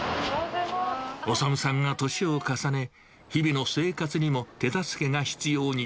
修さんが年を重ね、日々の生活にも手助けが必要に。